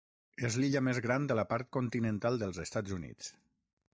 És l'illa més gran de la part continental dels Estats Units.